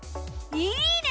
いいね！